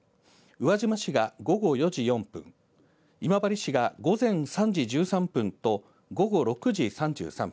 宇和島市が午後４時４分、今治市が午前３時１３分と午後６時３３分。